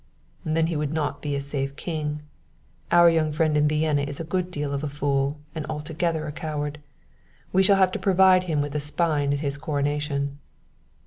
"Then he would not be a safe king. Our young friend in Vienna is a good deal of a fool and altogether a coward. We shall have to provide him with a spine at his coronation."